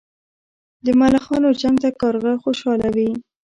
د ملخانو جنګ ته کارغه خوشاله وي.